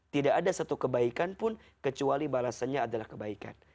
tidak ada satu kebaikan pun kecuali balasannya adalah kebaikan